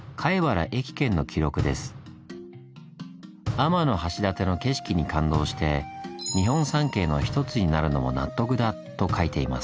天橋立の景色に感動して「日本三景の一つになるのも納得だ」と書いています。